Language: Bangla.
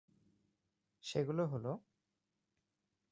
সেগুলো হল-